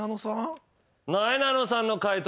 なえなのさんの解答